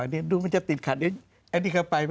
ดูว่ามันจะติดขัด